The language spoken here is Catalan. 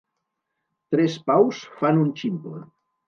Tres paus fan un ximple.